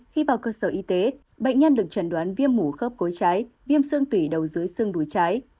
khi vào cơ sở y tế bệnh nhân được chẩn đoán viêm mũ khớp cối trái viêm xương tủy đầu dưới xương bùi trái